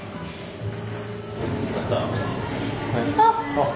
あっ。